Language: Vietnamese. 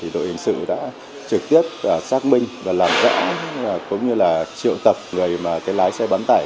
đội hình sự đã trực tiếp xác minh và làm rõ cũng như là triệu tập người lái xe bán tải